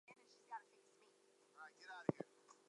He died at Montpellier.